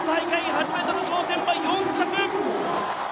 初めての挑戦は４着。